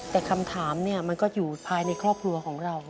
แต่คำถามมันก็อยู่ภายในครอบครัวของเรา